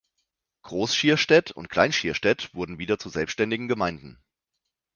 Groß Schierstedt und Klein Schierstedt wurden wieder zu selbständigen Gemeinden.